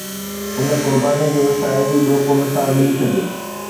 ان قربانيءَ جو شايد ئي ٻيو ڪو مثال ملي سگهي